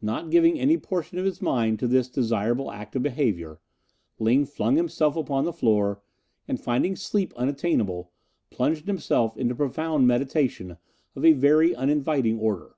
Not giving any portion of his mind to this desirable act of behaviour, Ling flung himself upon the floor, and, finding sleep unattainable, plunged himself into profound meditation of a very uninviting order.